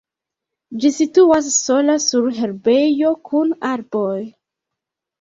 Ĝi situas sola sur herbejo kun arboj.